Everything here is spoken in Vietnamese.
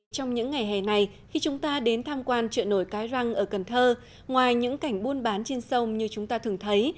trong những ngày hè này khi chúng ta đến tham quan trợ nổi cái răng ở cần thơ ngoài những cảnh buôn bán trên sông như chúng ta thường thấy